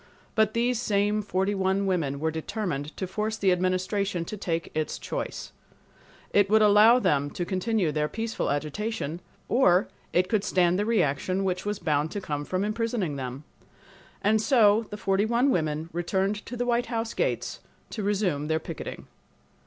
But these same forty one women were determined to force the Administration to take its choice. It could allow them to continue their peaceful agitation or it could stand the reaction which was bound to come from imprisoning them. And so the forty one women returned to the White House gates to resume' their picketing.